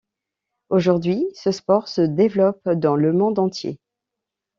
Aujourd'hui, ce sport se développe dans le monde entier.